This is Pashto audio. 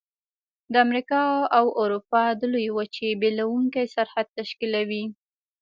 د امریکا او اروپا د لویې وچې بیلونکی سرحد تشکیلوي.